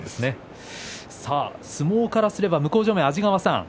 相撲からすれば、向正面の安治川さん